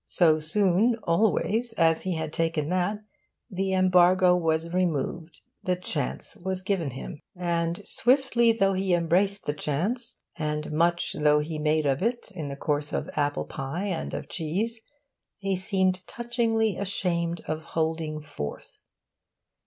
So soon, always, as he had taken that, the embargo was removed, the chance was given him. And, swiftly though he embraced the chance, and much though he made of it in the courses of apple pie and of cheese, he seemed touchingly ashamed of 'holding forth.